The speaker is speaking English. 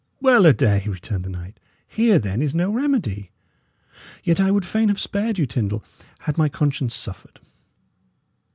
"Well a day!" returned the knight. "Here, then, is no remedy. Yet I would fain have spared you, Tyndal, had my conscience suffered.